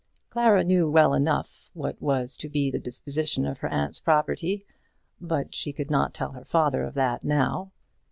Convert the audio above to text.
Clara knew well enough what was to be the disposition of her aunt's property, but she could not tell her father of that now.